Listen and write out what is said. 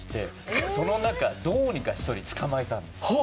その中、どうにか１人を捕まえたんですよ。